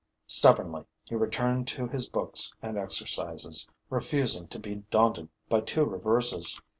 Stubbornly, he returned to his books and exercises, refusing to be daunted by two reverses.